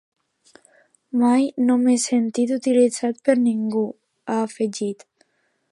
Mai no m’he sentit utilitzat per ningú, ha afegit.